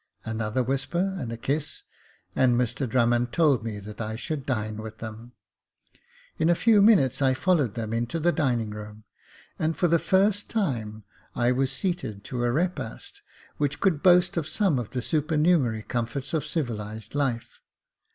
Another whisper, and a kiss, and Mr Drummond told me that I should dine with them. In a few minutes I followed them into the dining room, and for the first time I was seated to a repast which could boast of some of the supernumerary comforts of civilised life.